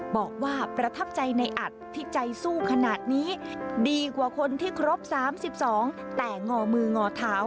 บอกว่าประทับใจในอัดที่ใจสู้ขนาดนี้ดีกว่าคนที่ครบ๓๒แต่งอมืองอเท้า